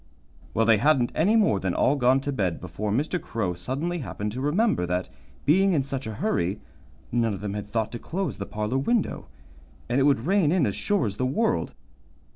Well, they hadn't any more than all gone to bed before Mr. Crow suddenly happened to remember that, being in such a hurry, none of them had thought to close the parlor window, and it would rain in as sure as the world.